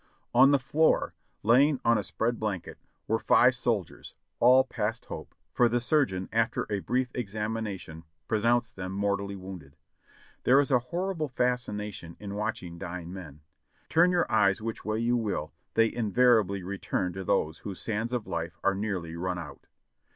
On the floor, lying on a spread blanket, were five soldiers, all past hope, for the surgeon after a brief examination pronounced them mortally wounded. There is a horrible fascination in watching dying men ; turn your eyes which way you will, they invariably return to those whose sands of life are nearly run out.